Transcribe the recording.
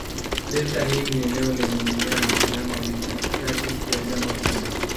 Delta hii ni eneo lenye mimea na wanyama wengi katikati ya jangwa kubwa.